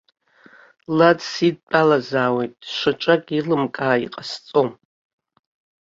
Лад сидтәалазаауеит, шьаҿак илымкаа иҟасҵом.